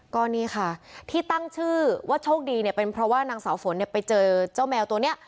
ก็นี่ค่ะที่ตั้งชื่อว่าโชคดีเนี่ยเป็นเพราะว่านางสาวฝนเนี่ยไปเจอเจ้าแมวตัวนี้